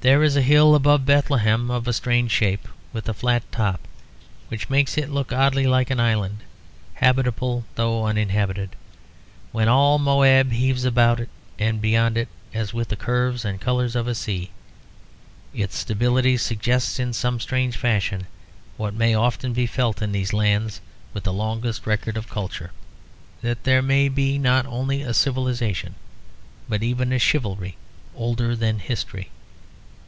There is a hill above Bethlehem of a strange shape, with a flat top which makes it look oddly like an island, habitable though uninhabited, when all Moab heaves about it and beyond it as with the curves and colours of a sea. Its stability suggests in some strange fashion what may often be felt in these lands with the longest record of culture; that there may be not only a civilisation but even a chivalry older than history.